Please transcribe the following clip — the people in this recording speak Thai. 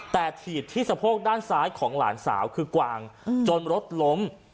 แต่ถีบที่สะโพกด้านซ้ายของหลานสาวคือกวางจนรถล้ม